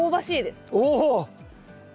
お。